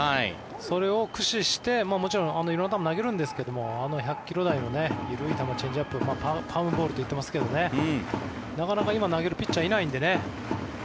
それを駆使して、もちろん色んな球を投げるんですけどあの１００ｋｍ台の緩い球チェンジアップパームボールと言ってますけどなかなか今、投げるピッチャーいないのでね。